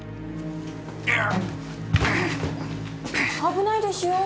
危ないでしょう。